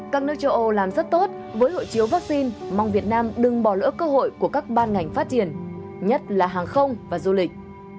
các nước châu âu làm rất tốt với hộ chiếu vaccine mong việt nam đừng bỏ lỡ cơ hội của các ban ngành phát triển nhất là hàng không và du lịch